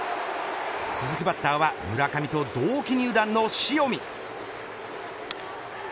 続くバッターは村上と同期入団の塩見。